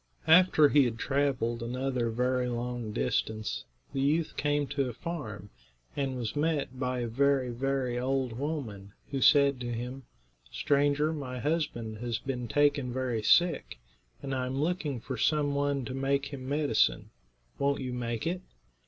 After he had traveled another very long distance the youth came to a farm, and was met by a very, very old woman, who said to him: "Stranger, my husband has been taken very sick, and I am looking for some one to make him some medicine. Won't you make it?"